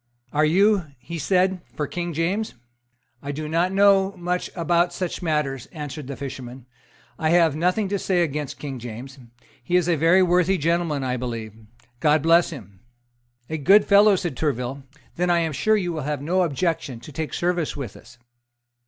"Are you," he said, "for King James?" "I do not know much about such matters," answered the fisherman. "I have nothing to say against King James. He is a very worthy gentleman, I believe. God bless him!" "A good fellow!" said Tourville: "then I am sure you will have no objection to take service with us."